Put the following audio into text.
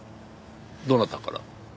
どなたから？